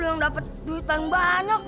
lo yang dapet duit yang banyak